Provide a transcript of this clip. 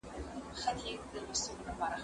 زه به سبا لوښي وچوم وم؟!